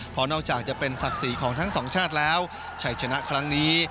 เพราะนอกจากจะเป็นศักดิ์ศรีของทั้งสองชาติแล้วชัยชนะครั้งนี้